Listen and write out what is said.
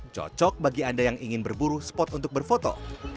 cocok bagi anda yang ingin berburu spot untuk berfoto